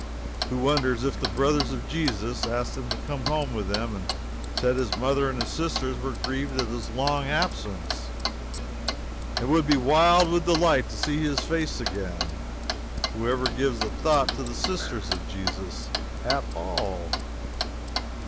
Who wonders if the brothers of Jesus asked him to come home with them, and said his mother and his sisters were grieved at his long absence, and would be wild with delight to see his face again? Who ever gives a thought to the sisters of Jesus at all?